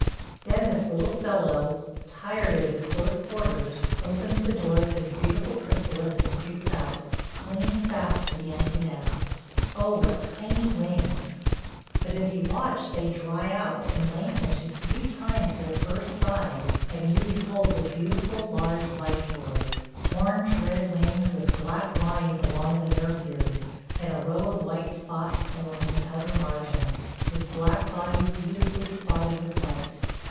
Then this little fellow, tired of his close quarters, opens the door of his beautiful chrysalis and creeps out, clinging fast to the empty nest. O, what tiny wings! But as you watch they dry out and lengthen to three times their first size and you behold the beautiful large Viceroy orange red wings with black lines along the nervures and a row of white spots along the outer margin, his black body beautifully spotted with white.